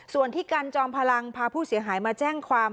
ส่วนที่กันจอมพลังพาผู้เสียหายมาแจ้งความ